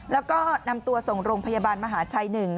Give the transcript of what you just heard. แล้วก็นำตัวส่งโรงพยาบาลมหาชัย๑